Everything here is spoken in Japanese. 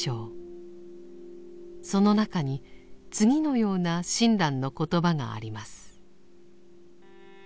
その中に次のような親鸞の言葉があります。